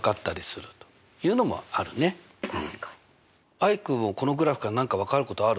アイクもこのグラフから何か分かることある？